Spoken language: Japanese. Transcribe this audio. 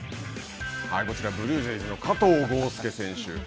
こちらブルージェイズの加藤豪将選手。